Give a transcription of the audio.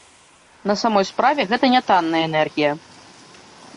На самой справе гэта нятанная энергія.